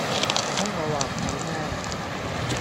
唔通我話唔好咩